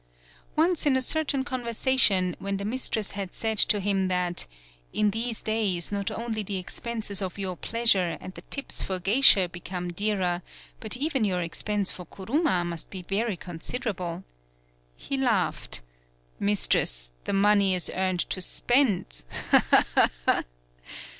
Once in a certain conver sation, when the mistress had said to him that "in these days not only the expenses of your pleasure and the tips for geisha become dearer, but even your 95 PAULOWNIA expense for Kuruma must be very con siderable," he laughed : "Mistress, the money is earned to spend. Ha ! ha ! ha ! ha